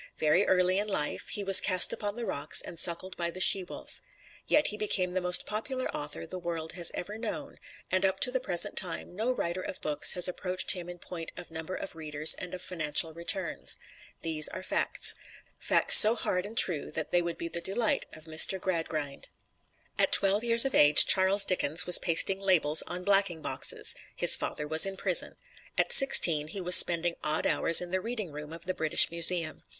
Very early in life he was cast upon the rocks and suckled by the she wolf. Yet he became the most popular author the world has ever known, and up to the present time no writer of books has approached him in point of number of readers and of financial returns. These are facts facts so hard and true that they would be the delight of Mr. Gradgrind. At twelve years of age, Charles Dickens was pasting labels on blacking boxes; his father was in prison. At sixteen, he was spending odd hours in the reading room of the British Museum.